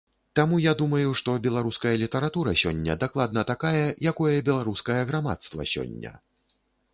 Таму я думаю, што беларуская літаратура сёння дакладна такая, якое беларускае грамадства сёння.